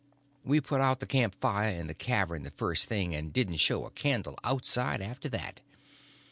We put out the camp fire at the cavern the first thing, and didn't show a candle outside after that.